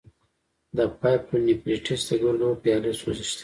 د پايلونیفریټس د ګردو پیالې سوزش دی.